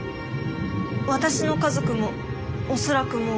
私の家族も恐らくもう」。